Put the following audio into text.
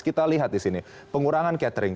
kita lihat di sini pengurangan catering